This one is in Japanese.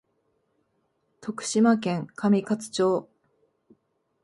徳島県上勝町